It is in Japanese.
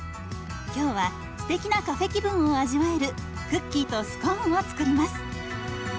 今日はすてきなカフェ気分を味わえるクッキーとスコーンを作ります。